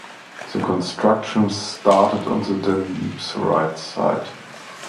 The construction started on the Danube's right side.